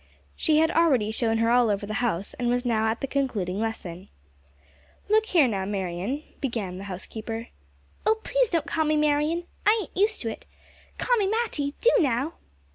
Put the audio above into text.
She had already shown her all over the house, and was now at the concluding lesson. "Look here now, Merryon," began the housekeeper. "Oh, please don't call me Merryon I ain't used to it. Call me Matty, do now!"